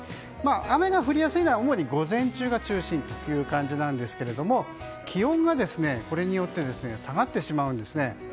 雨が降りやすいのは主に午前中が中心なんですが気温がこれによって下がってしまうんですね。